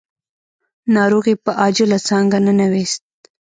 ناروغ يې په عاجله څانګه ننوېست.